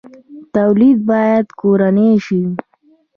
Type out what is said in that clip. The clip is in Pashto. تولید باید کورنی شي